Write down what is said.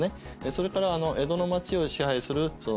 それから江戸の町を支配する町奉行